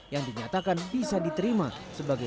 mengingat kondisi k dua lagi